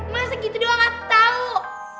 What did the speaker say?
masa gitu doang gatau